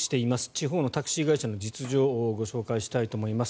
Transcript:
地方のタクシー会社の実情ご紹介したいと思います。